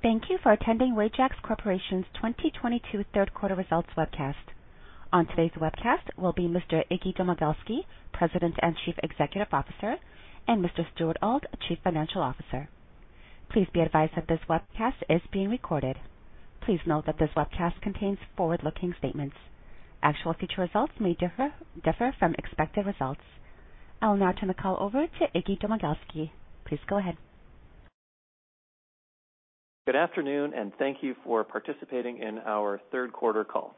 Thank you for attending Wajax Corporation's 2022 Q3 Results Webcast. On today's webcast will be Mr. Iggy Domagalski, President and Chief Executive Officer, and Mr. Stuart Auld, Chief Financial Officer. Please be advised that this webcast is being recorded. Please note that this webcast contains forward-looking statements. Actual future results may differ from expected results. I'll now turn the call over to Iggy Domagalski. Please go ahead. Good afternoon, and thank you for participating in our Q3 call.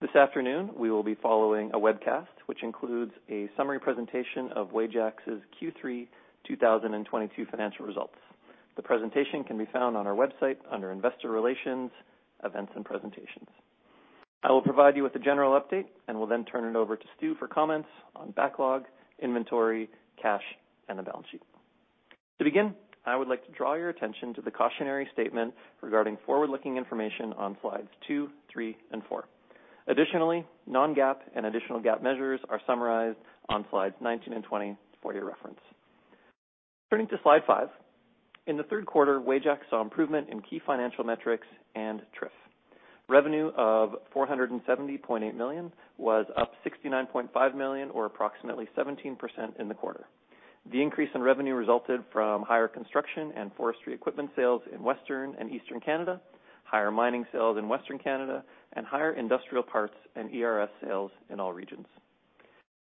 This afternoon, we will be following a webcast which includes a summary presentation of Wajax's Q3 2022 financial results. The presentation can be found on our website under Investor Relations, Events and Presentations. I will provide you with a general update and will then turn it over to Stuart Auld for comments on backlog, inventory, cash, and the balance sheet. To begin, I would like to draw your attention to the cautionary statement regarding forward-looking information on slides two, three, and four. Additionally, non-GAAP and additional GAAP measures are summarized on slides 19 and 20 for your reference. Turning to slide five. In the Q3, Wajax saw improvement in key financial metrics and TRIF. Revenue of 470.8 million was up 69.5 million or approximately 17% in the quarter. The increase in revenue resulted from higher construction and forestry equipment sales in Western and Eastern Canada, higher mining sales in Western Canada, and higher industrial parts and ERS sales in all regions.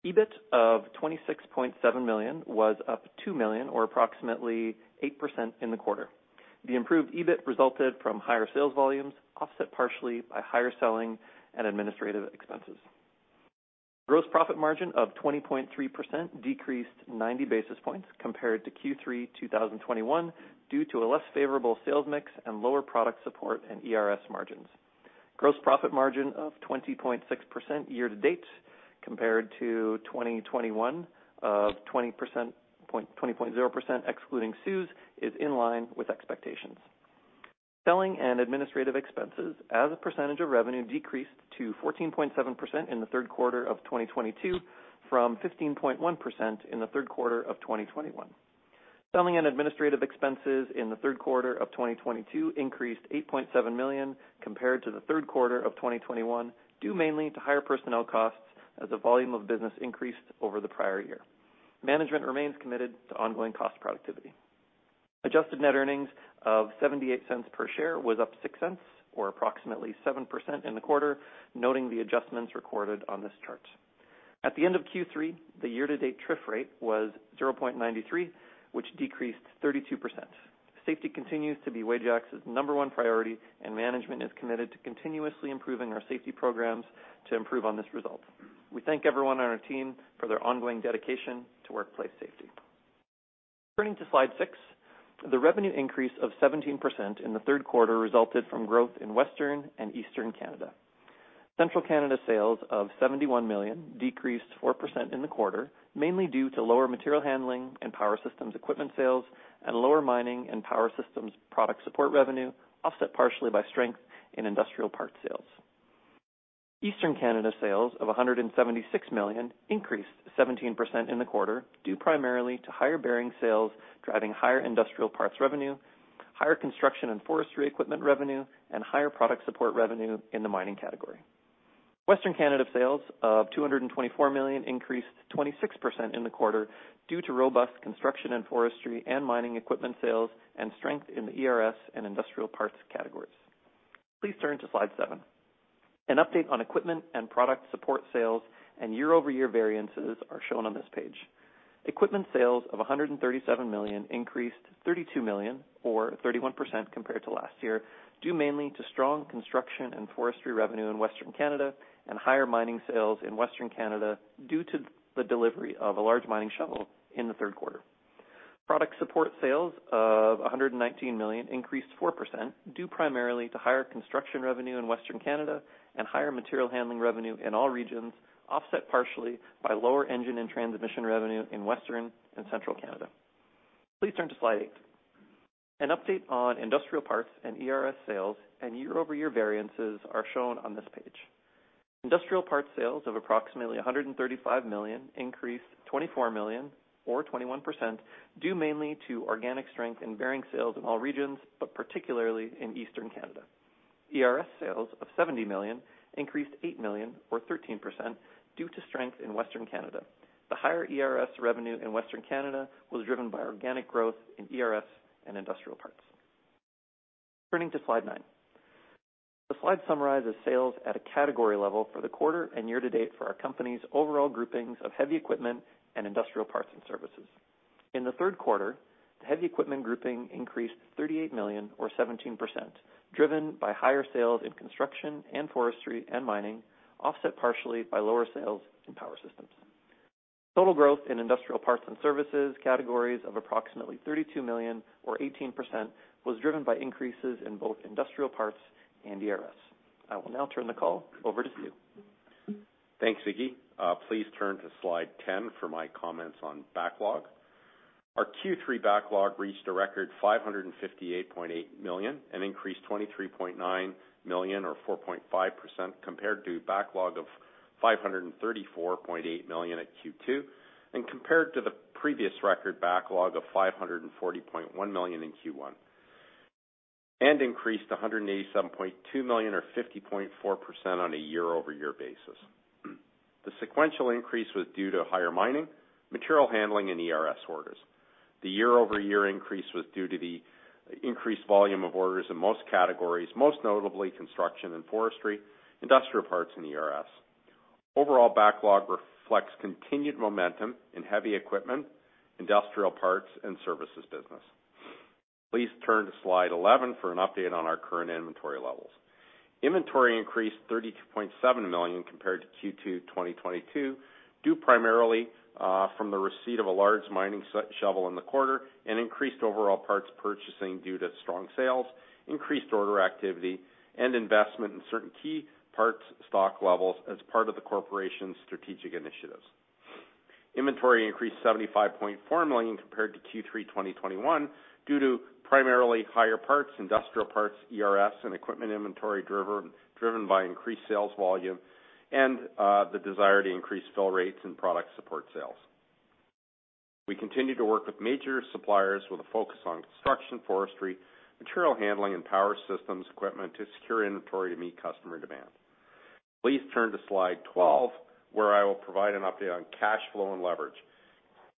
EBIT of 26.7 million was up 2 million, or approximately 8% in the quarter. The improved EBIT resulted from higher sales volumes, offset partially by higher selling and administrative expenses. Gross profit margin of 20.3% decreased 90 basis points compared to Q3 2021 due to a less favorable sales mix and lower product support and ERS margins. Gross profit margin of 20.6% year to date compared to 2021 of 20.0% excluding CEWS is in line with expectations. Selling and administrative expenses as a percentage of revenue decreased to 14.7% in the Q3 of 2022 from 15.1% in the Q3 of 2021. Selling and administrative expenses in the Q3 of 2022 increased 8.7 million compared to the Q3 of 2021, due mainly to higher personnel costs as the volume of business increased over the prior year. Management remains committed to ongoing cost productivity. Adjusted net earnings of 0.78 per share was up 0.06 or approximately 7% in the quarter, noting the adjustments recorded on this chart. At the end of Q3, the year-to-date TRIF rate was 0.93, which decreased 32%. Safety continues to be Wajax's number one priority and management is committed to continuously improving our safety programs to improve on this result. We thank everyone on our team for their ongoing dedication to workplace safety. Turning to slide 6, the revenue increase of 17% in the Q3 resulted from growth in Western and Eastern Canada. Central Canada sales of 71 million decreased 4% in the quarter, mainly due to lower material handling and power systems equipment sales and lower mining and power systems product support revenue, offset partially by strength in industrial parts sales. Eastern Canada sales of 176 million increased 17% in the quarter, due primarily to higher bearing sales, driving higher industrial parts revenue, higher construction and forestry equipment revenue, and higher product support revenue in the mining category. Western Canada sales of 224 million increased 26% in the quarter due to robust construction and forestry and mining equipment sales and strength in the ERS and industrial parts categories. Please turn to slide 7. An update on equipment and product support sales and year-over-year variances are shown on this page. Equipment sales of 137 million increased 32 million or 31% compared to last year, due mainly to strong construction and forestry revenue in Western Canada and higher mining sales in Western Canada due to the delivery of a large mining shovel in the Q3. Product support sales of 119 million increased 4%, due primarily to higher construction revenue in Western Canada and higher material handling revenue in all regions, offset partially by lower engine and transmission revenue in Western and Central Canada. Please turn to slide 8. An update on industrial parts and ERS sales and year-over-year variances are shown on this page. Industrial parts sales of approximately 135 million increased 24 million or 21% due mainly to organic strength in bearing sales in all regions, but particularly in Eastern Canada. ERS sales of 70 million increased 8 million or 13% due to strength in Western Canada. The higher ERS revenue in Western Canada was driven by organic growth in ERS and industrial parts. Turning to slide 9. The slide summarizes sales at a category level for the quarter and year to date for our company's overall groupings of heavy equipment and industrial parts and services. In the Q3, the heavy equipment grouping increased 38 million or 17%, driven by higher sales in construction and forestry and mining, offset partially by lower sales in power systems. Total growth in industrial parts and services categories of approximately 32 million or 18% was driven by increases in both industrial parts and ERS. I will now turn the call over to Stu. Thanks, Iggy. Please turn to slide 10 for my comments on backlog. Our Q3 backlog reached a record 558.8 million, an increase 23.9 million or 4.5% compared to backlog of 534.8 million at Q2, and compared to the previous record backlog of 540.1 million in Q1. Increased to 187.2 million or 50.4% on a year-over-year basis. The sequential increase was due to higher mining, material handling and ERS orders. The year-over-year increase was due to the increased volume of orders in most categories, most notably construction and forestry, industrial parts and ERS. Overall backlog reflects continued momentum in heavy equipment, industrial parts and services business. Please turn to slide 11 for an update on our current inventory levels. Inventory increased 32.7 million compared to Q2 2022, due primarily from the receipt of a large mining shovel in the quarter and increased overall parts purchasing due to strong sales, increased order activity and investment in certain key parts stock levels as part of the corporation's strategic initiatives. Inventory increased 75.4 million compared to Q3 2021 due to primarily higher parts, industrial parts, ERS and equipment inventory driven by increased sales volume and the desire to increase fill rates and product support sales. We continue to work with major suppliers with a focus on construction, forestry, material handling and power systems equipment to secure inventory to meet customer demand. Please turn to slide 12, where I will provide an update on cash flow and leverage.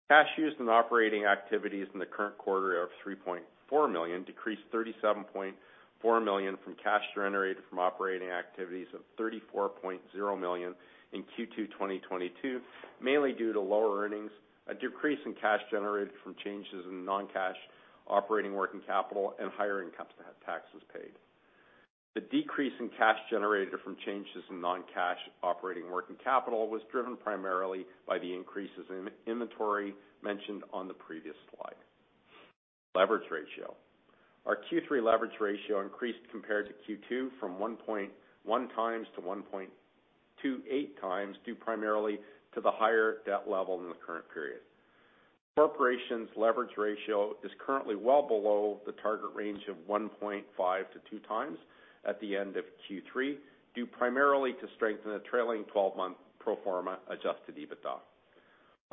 Cash used in operating activities in the current quarter of 3.4 million decreased 37.4 million from cash generated from operating activities of 34.0 million in Q2 2022, mainly due to lower earnings, a decrease in cash generated from changes in non-cash operating working capital and higher income taxes paid. The decrease in cash generated from changes in non-cash operating working capital was driven primarily by the increases in inventory mentioned on the previous slide. Leverage ratio. Our Q3 leverage ratio increased compared to Q2 from 1.1x to 1.28x, due primarily to the higher debt level in the current period. Corporation's leverage ratio is currently well below the target range of 1.5x-2x at the end of Q3, due primarily to strength in the trailing twelve-month pro forma adjusted EBITDA.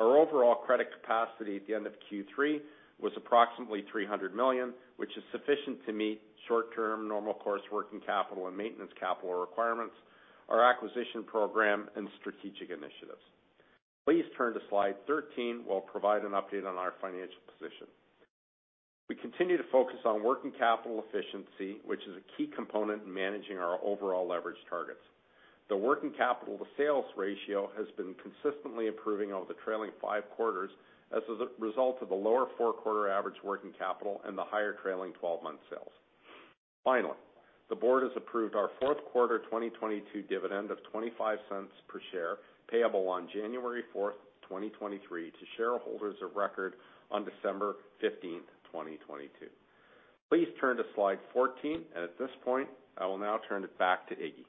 Our overall credit capacity at the end of Q3 was approximately 300 million, which is sufficient to meet short term normal course working capital and maintenance capital requirements, our acquisition program and strategic initiatives. Please turn to slide 13. We'll provide an update on our financial position. We continue to focus on working capital efficiency, which is a key component in managing our overall leverage targets. The working capital to sales ratio has been consistently improving over the trailing five quarters as a result of the lower four-quarter average working capital and the higher trailing 12-month sales. Finally, the board has approved our Q4 2022 dividend of 0.25 per share, payable on January 4, 2023 to shareholders of record on December 15, 2022. Please turn to slide 14, and at this point, I will now turn it back to Iggy.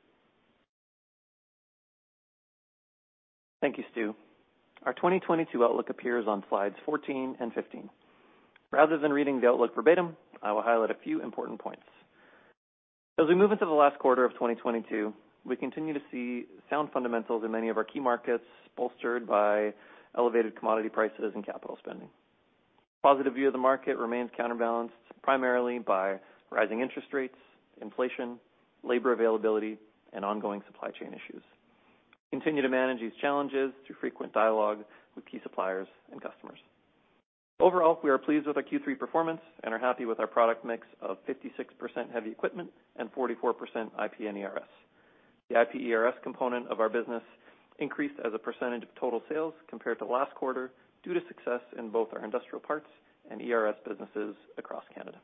Thank you, Stu. Our 2022 outlook appears on slides 14 and 15. Rather than reading the outlook verbatim, I will highlight a few important points. As we move into the last quarter of 2022, we continue to see sound fundamentals in many of our key markets, bolstered by elevated commodity prices and capital spending. Positive view of the market remains counterbalanced primarily by rising interest rates, inflation, labor availability and ongoing supply chain issues. We continue to manage these challenges through frequent dialogue with key suppliers and customers. Overall, we are pleased with our Q3 performance and are happy with our product mix of 56% heavy equipment and 44% IP and ERS. The IP-ERS component of our business increased as a percentage of total sales compared to last quarter due to success in both our industrial parts and ERS businesses across Canada.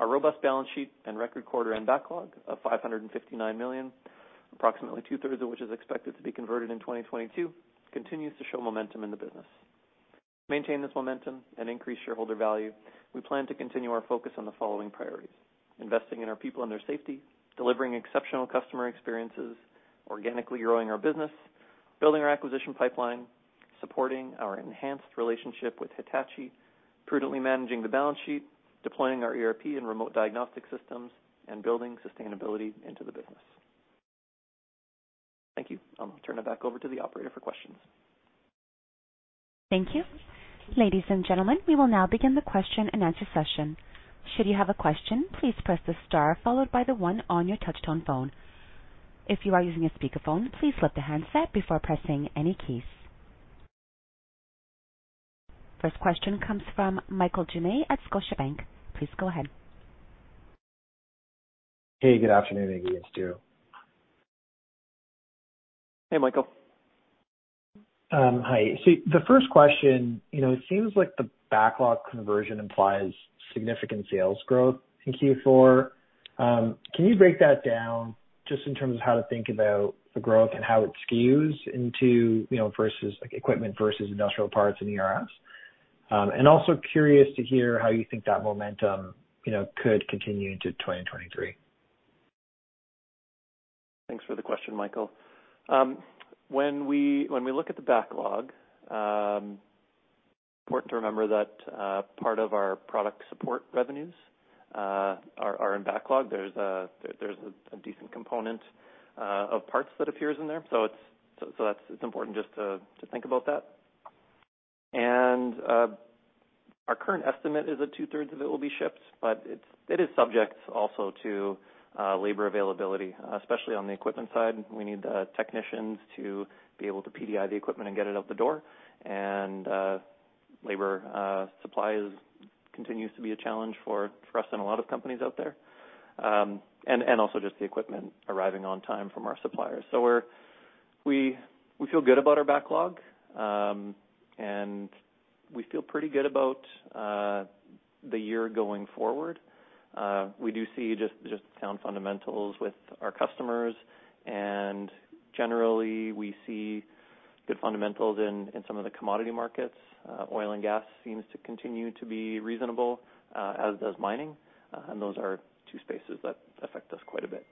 Our robust balance sheet and record quarter-end backlog of 559 million, approximately two-thirds of which is expected to be converted in 2022, continues to show momentum in the business. To maintain this momentum and increase shareholder value, we plan to continue our focus on the following priorities, investing in our people and their safety, delivering exceptional customer experiences, organically growing our business, building our acquisition pipeline, supporting our enhanced relationship with Hitachi, prudently managing the balance sheet, deploying our ERP and remote diagnostic systems, and building sustainability into the business. Thank you. I'll turn it back over to the operator for questions. Thank you. Ladies and gentlemen, we will now begin the question-and-answer session. Should you have a question, please press the star followed by the one on your touchtone phone. If you are using a speakerphone, please lift the handset before pressing any keys. First question comes from Michael Doumet at Scotiabank. Please go ahead. Hey, good afternoon, Iggy and Stu. Hey, Michael. Hi. The first question, you know, it seems like the backlog conversion implies significant sales growth in Q4. Can you break that down just in terms of how to think about the growth and how it skews into, you know, versus, like, equipment versus industrial parts and ERS? Also curious to hear how you think that momentum, you know, could continue into 2023. Thanks for the question, Michael. When we look at the backlog, important to remember that part of our product support revenues are in backlog. There's a decent component of parts that appears in there. So that's important just to think about that. Our current estimate is that two-thirds of it will be shipped, but it is subject also to labor availability, especially on the equipment side. We need the technicians to be able to PDI the equipment and get it out the door. Labor supply continues to be a challenge for us and a lot of companies out there, and also just the equipment arriving on time from our suppliers. We feel good about our backlog, and we feel pretty good about the year going forward. We do see sound fundamentals with our customers, and generally, we see good fundamentals in some of the commodity markets. Oil and gas seems to continue to be reasonable, as does mining, and those are two spaces that affect us quite a bit.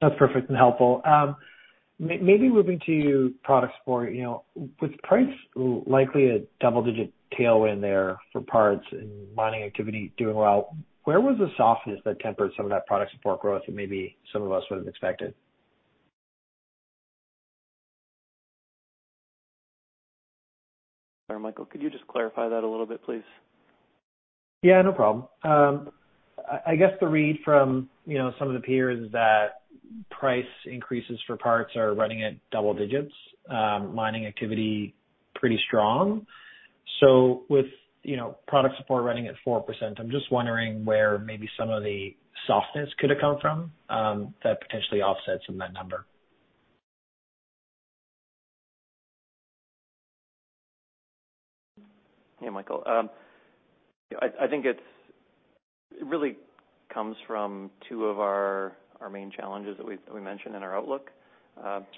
That's perfect and helpful. Maybe moving to product support. You know, with price likely a double-digit tailwind there for parts and mining activity doing well, where was the softness that tempered some of that product support growth that maybe some of us would have expected? Sorry, Michael, could you just clarify that a little bit, please? Yeah, no problem. I guess the read from, you know, some of the peers is that price increases for parts are running at double digits, mining activity pretty strong. With, you know, product support running at 4%, I'm just wondering where maybe some of the softness could have come from, that potentially offsets in that number. Yeah, Michael. I think it really comes from two of our main challenges that we mentioned in our outlook.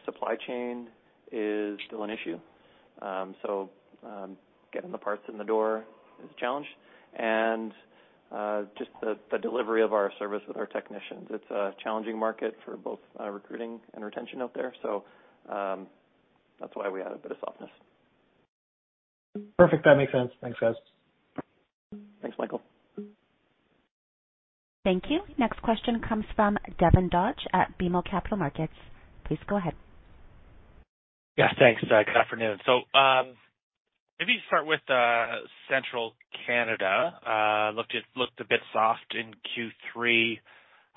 Supply chain is still an issue, so getting the parts in the door is a challenge. Just the delivery of our service with our technicians. It's a challenging market for both recruiting and retention out there. That's why we had a bit of softness. Perfect. That makes sense. Thanks, guys. Thanks, Michael. Thank you. Next question comes from Devin Dodge at BMO Capital Markets. Please go ahead. Yes, thanks. Good afternoon. Maybe start with Central Canada. Looked a bit soft in Q3,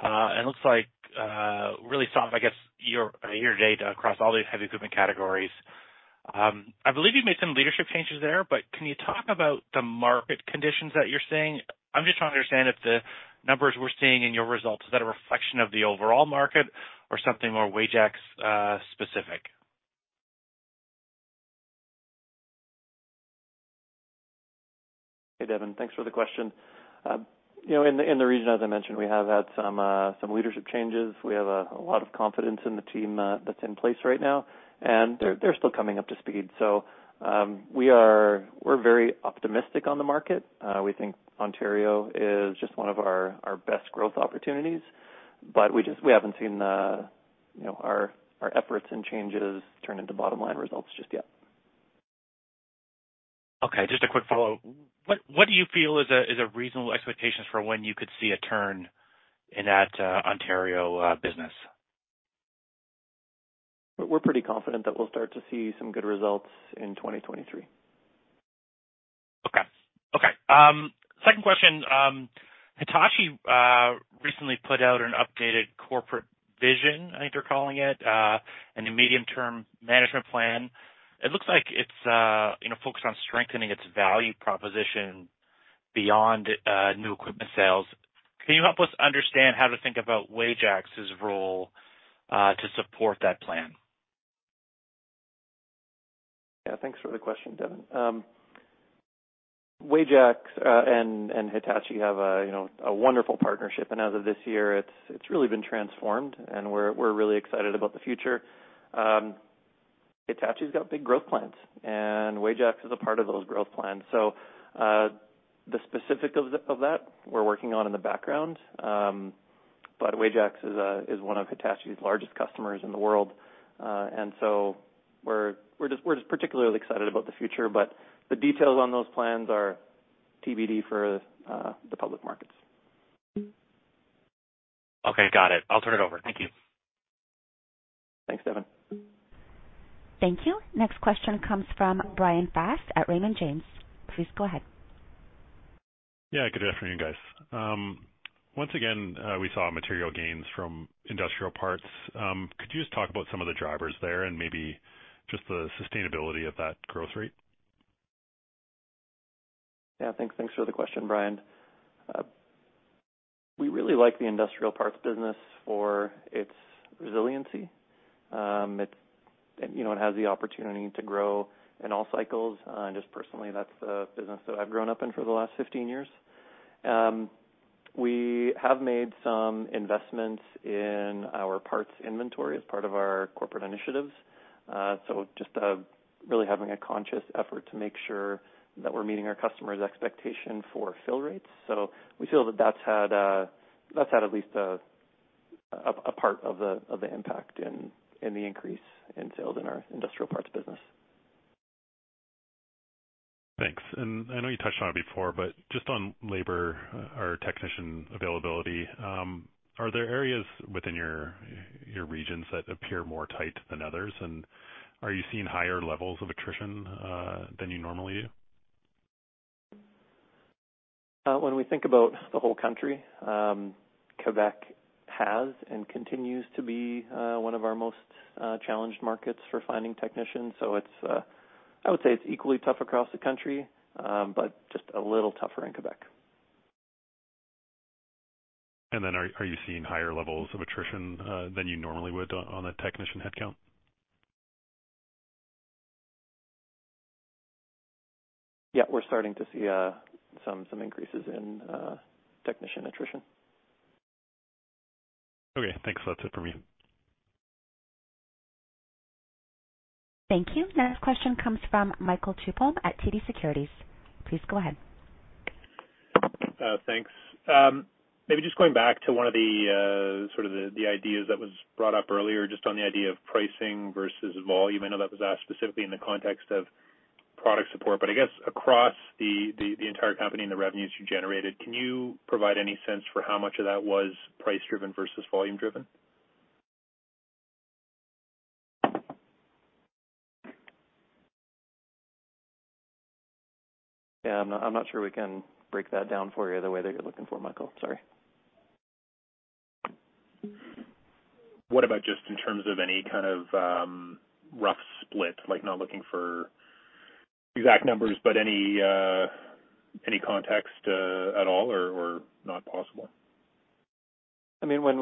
and looks like really soft, I guess, year to date across all the heavy equipment categories. I believe you made some leadership changes there, but can you talk about the market conditions that you're seeing? I'm just trying to understand if the numbers we're seeing in your results, is that a reflection of the overall market or something more Wajax specific? Hey, Devin. Thanks for the question. You know, in the region, as I mentioned, we have had some leadership changes. We have a lot of confidence in the team that's in place right now, and they're still coming up to speed. We're very optimistic on the market. We think Ontario is just one of our best growth opportunities, but we haven't seen, you know, our efforts and changes turn into bottom line results just yet. Okay. Just a quick follow. What do you feel is a reasonable expectations for when you could see a turn in that Ontario business? We're pretty confident that we'll start to see some good results in 2023. Okay. Second question. Hitachi recently put out an updated corporate vision, I think they're calling it, and a medium-term management plan. It looks like it's, you know, focused on strengthening its value proposition beyond new equipment sales. Can you help us understand how to think about Wajax's role to support that plan? Yeah. Thanks for the question, Devin. Wajax and Hitachi have a you know a wonderful partnership. As of this year, it's really been transformed and we're really excited about the future. Hitachi's got big growth plans, and Wajax is a part of those growth plans. The specifics of that we're working on in the background. Wajax is one of Hitachi's largest customers in the world. We're just particularly excited about the future, but the details on those plans are TBD for the public markets. Okay. Got it. I'll turn it over. Thank you. Thanks, Devin. Thank you. Next question comes from Bryan Fast at Raymond James. Please go ahead. Yeah. Good afternoon, guys. Once again, we saw material gains from industrial parts. Could you just talk about some of the drivers there and maybe just the sustainability of that growth rate? Thanks for the question, Bryan. We really like the industrial parts business for its resiliency. You know, it has the opportunity to grow in all cycles, and just personally, that's the business that I've grown up in for the last 15 years. We have made some investments in our parts inventory as part of our corporate initiatives. Just really having a conscious effort to make sure that we're meeting our customers' expectation for fill rates. We feel that that's had at least a part of the impact in the increase in sales in our industrial parts business. Thanks. I know you touched on it before, but just on labor or technician availability, are there areas within your regions that appear more tight than others? Are you seeing higher levels of attrition than you normally do? When we think about the whole country, Quebec has and continues to be one of our most challenged markets for finding technicians. It's, I would say it's equally tough across the country, but just a little tougher in Quebec. Are you seeing higher levels of attrition than you normally would on the technician headcount? Yeah, we're starting to see some increases in technician attrition. Okay, thanks. That's it for me. Thank you. Next question comes from Michael Tupholme at TD Securities. Please go ahead. Thanks. Maybe just going back to one of the sort of ideas that was brought up earlier, just on the idea of pricing versus volume. I know that was asked specifically in the context of product support, but I guess across the entire company and the revenues you generated, can you provide any sense for how much of that was price-driven versus volume-driven? Yeah, I'm not sure we can break that down for you the way that you're looking for Michael. Sorry. What about just in terms of any kind of rough split? Like, not looking for exact numbers, but any context at all or not possible? I mean, when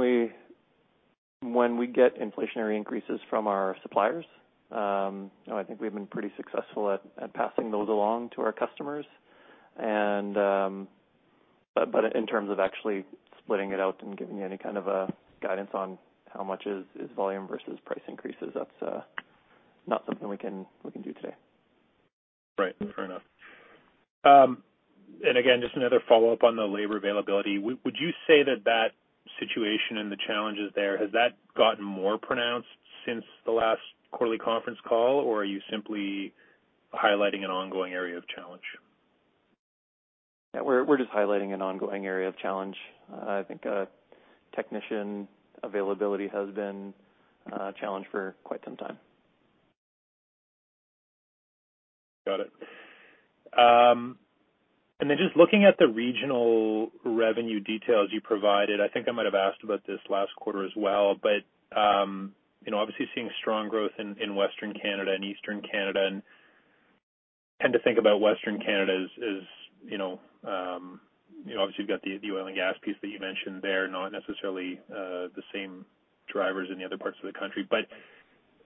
we get inflationary increases from our suppliers, you know, I think we've been pretty successful at passing those along to our customers. In terms of actually splitting it out and giving you any kind of a guidance on how much is volume versus price increases, that's not something we can do today. Right. Fair enough. Again, just another follow-up on the labor availability. Would you say that situation and the challenges there, has that gotten more pronounced since the last quarterly conference call? Or are you simply highlighting an ongoing area of challenge? Yeah, we're just highlighting an ongoing area of challenge. I think, technician availability has been a challenge for quite some time. Got it. Just looking at the regional revenue details you provided, I think I might have asked about this last quarter as well. You know, obviously seeing strong growth in Western Canada and Eastern Canada, and tend to think about Western Canada as you know, obviously you've got the oil and gas piece that you mentioned there, not necessarily the same drivers in the other parts of the country.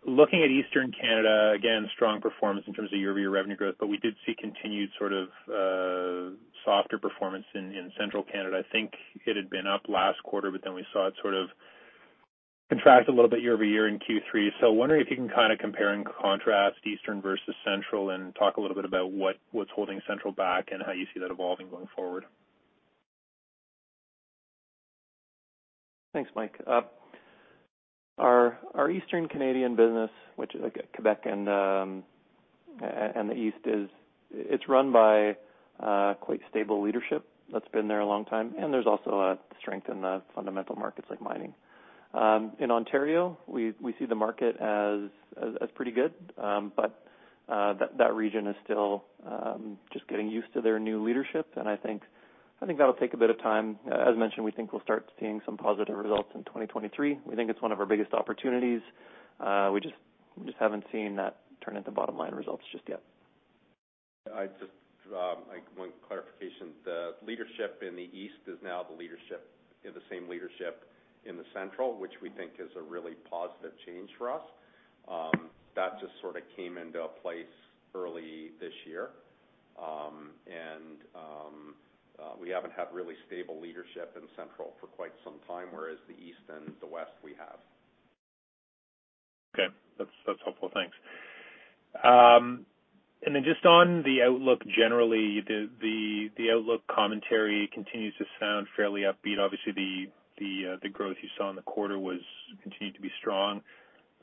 Looking at Eastern Canada, again, strong performance in terms of year-over-year revenue growth, but we did see continued sort of softer performance in Central Canada. I think it had been up last quarter, but then we saw it sort of contract a little bit year-over-year in Q3. Wondering if you can kinda compare and contrast Eastern versus Central and talk a little bit about what's holding Central back and how you see that evolving going forward. Thanks, Mike. Our Eastern Canadian business, which is like Quebec and the East, is run by quite stable leadership that's been there a long time, and there's also a strength in the fundamental markets like mining. In Ontario, we see the market as pretty good. That region is still just getting used to their new leadership, and I think that'll take a bit of time. As mentioned, we think we'll start seeing some positive results in 2023. We think it's one of our biggest opportunities. We just haven't seen that turn into bottom line results just yet. I just like one clarification. The leadership in the East is now the leadership, the same leadership in the Central, which we think is a really positive change for us. That just sorta came into place early this year. We haven't had really stable leadership in Central for quite some time, whereas the East and the West we have. Okay. That's helpful. Thanks. Then just on the outlook generally, the outlook commentary continues to sound fairly upbeat. Obviously, the growth you saw in the quarter was continued to be strong.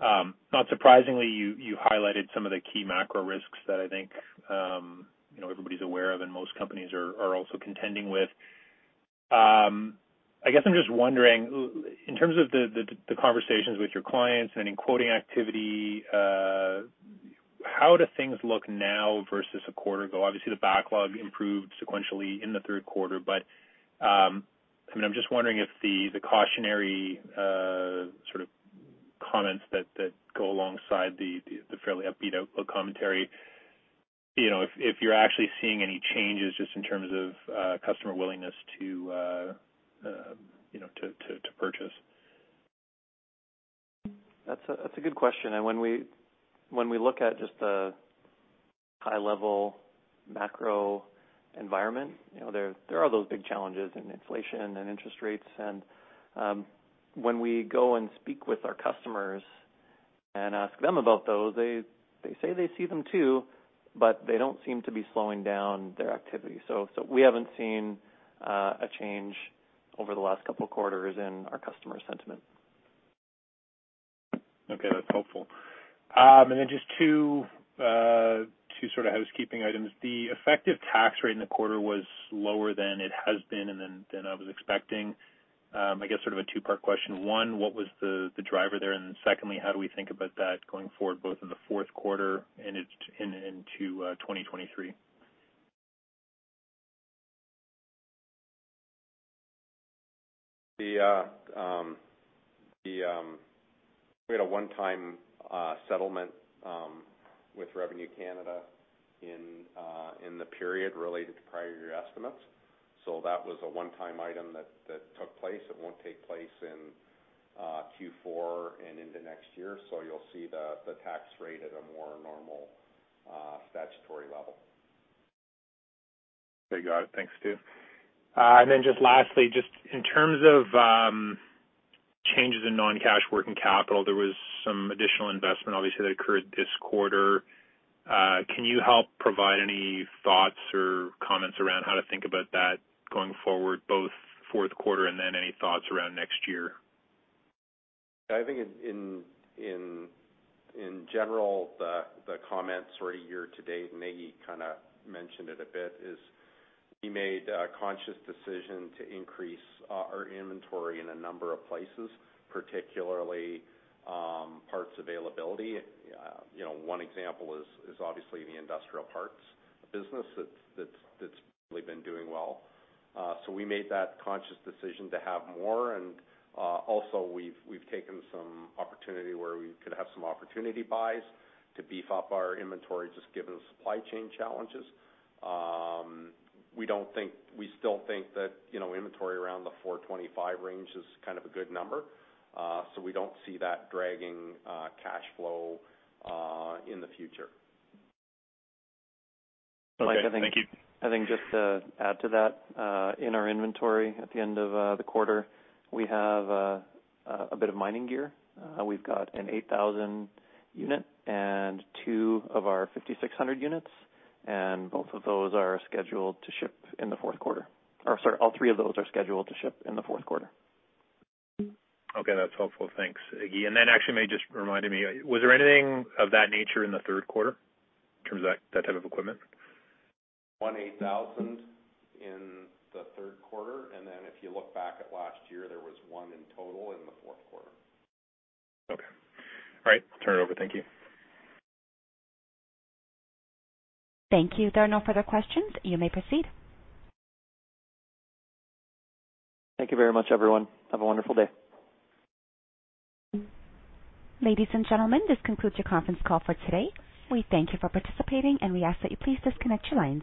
Not surprisingly, you highlighted some of the key macro risks that I think, you know, everybody's aware of and most companies are also contending with. I guess I'm just wondering, in terms of the conversations with your clients and in quoting activity, how do things look now versus a quarter ago? Obviously, the backlog improved sequentially in the Q3. I mean, I'm just wondering if the cautionary sort of comments that go alongside the fairly upbeat outlook commentary, you know, if you're actually seeing any changes just in terms of customer willingness to you know, to purchase. That's a good question. When we look at just the high level macro environment, you know, there are those big challenges in inflation and interest rates. When we go and speak with our customers and ask them about those, they say they see them too, but they don't seem to be slowing down their activity. We haven't seen a change over the last couple quarters in our customer sentiment. Okay, that's helpful. Just two sort of housekeeping items. The effective tax rate in the quarter was lower than it has been and than I was expecting. I guess sort of a two-part question. One, what was the driver there? Secondly, how do we think about that going forward, both in the Q4 and into 2023? We had a one-time settlement with Canada Revenue Agency in the period related to prior year estimates. That was a one-time item that took place. It won't take place in Q4 and into next year. You'll see the tax rate at a more normal statutory level. There you go. Thanks, Stu. Just lastly, just in terms of changes in non-cash working capital, there was some additional investment obviously that occurred this quarter. Can you help provide any thoughts or comments around how to think about that going forward, both Q4 and then any thoughts around next year? I think in general, the comments sort of year to date, Iggy kinda mentioned it a bit, is we made a conscious decision to increase our inventory in a number of places, particularly, parts availability. You know, one example is obviously the industrial parts business that's really been doing well. So we made that conscious decision to have more. Also we've taken some opportunity where we could have some opportunity buys to beef up our inventory just given the supply chain challenges. We don't think—we still think that, you know, inventory around the 425 range is kind of a good number. We don't see that dragging cash flow in the future. Okay. Thank you. I think just to add to that, in our inventory at the end of the quarter, we have a bit of mining gear. We've got an EX8000 unit and two of our EX5600 units, and both of those are scheduled to ship in the Q4. Or sorry, all three of those are scheduled to ship in the Q4. Okay, that's helpful. Thanks, Iggy. That actually just reminded me, was there anything of that nature in the Q3 in terms of that type of equipment? 18,000 in the Q3, and then if you look back at last year, there was 1 in total in the Q4. Okay. All right. I'll turn it over. Thank you. Thank you. There are no further questions. You may proceed. Thank you very much, everyone. Have a wonderful day. Ladies and gentlemen, this concludes your conference call for today. We thank you for participating, and we ask that you please disconnect your lines.